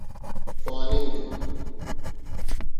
’خواننگ‘